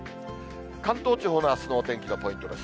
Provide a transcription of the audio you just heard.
関東地方のあすのお天気のポイントです。